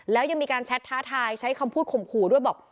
แล้วยังมีการแชทท้าทายใช้คำพูดข่มขู่ด้วยบอก